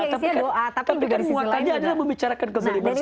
tapi kan muakannya adalah membicarakan kezoliman suaminya